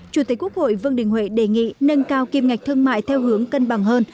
chủ tịch quốc hội vương đình huệ đề nghị nâng cao kim ngạch thương mại theo hướng cân bằng hơn